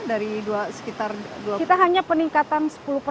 dari dua sekitar kita hanya peningkatan